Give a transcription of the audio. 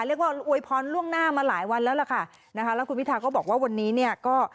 เรียกว่าอวยพรล่วงหน้ามาหลายวันแล้วล่ะค่ะ